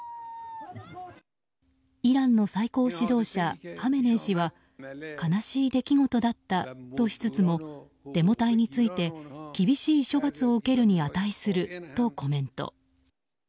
イランの最高指導者ハメネイ師は悲しい出来事だったとしつつもデモ隊について、厳しい処罰を受けるに値するとコメント。